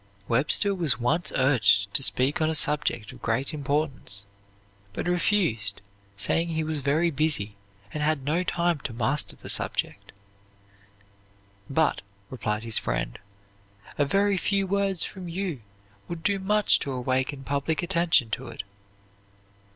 Webster was once urged to speak on a subject of great importance, but refused, saying he was very busy and had no time to master the subject. "But," replied his friend, "a very few words from you would do much to awaken public attention to it."